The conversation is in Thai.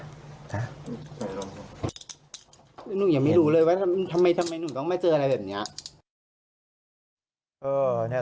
หนูยังไม่รู้เลยว่าทำไมหนูต้องมาเจออะไรแบบนี้